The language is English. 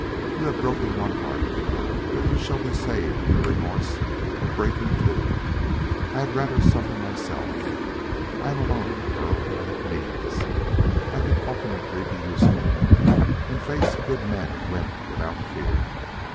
You have broken one heart, but you shall be saved the remorse of breaking two. I had rather suffer myself. I am alone in the world. I have means. I can ultimately be useful and face good men and women without fear.